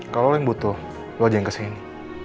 kalau lu yang butuh lu aja yang kesini